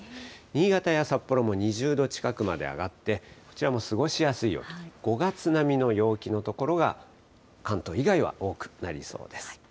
新潟や札幌も２０度近くまで上がって、こちらも過ごしやすい陽気、５月並みの陽気の所が関東以外は多くなりそうです。